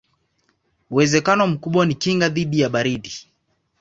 Uwezekano mkubwa ni kinga dhidi ya baridi.